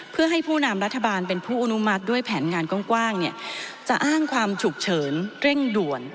เพื่อให้ผู้นำรัฐบาลเป็นผู้อนุมัติด้วยแผนงานกว้างจะอ้างความฉุกเฉินเร่งด่วน